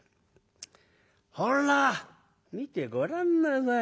ほら見てごらんなさい。